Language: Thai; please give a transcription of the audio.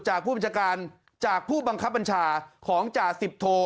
จากผู้บัญชาการจากผู้บังคับบัญชาของจ่าสิบโท